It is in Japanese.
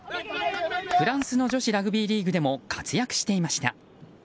フランスの女子ラグビーリーグでも活躍していました。